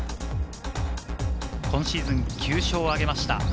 今シーズン９勝を挙げました。